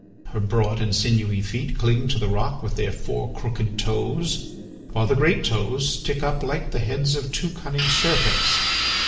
Her broad and sinewy feet cling to the rock with their four crooked toes, while the great toes stick up like the heads of two cunning serpents.